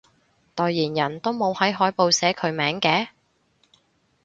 代言人都冇喺海報寫佢名嘅？